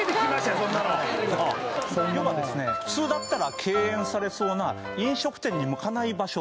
何ですかそれ普通だったら敬遠されそうな飲食店に向かない場所